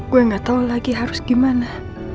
gue gak tau lagi harus gimana